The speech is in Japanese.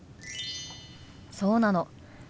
そうなの。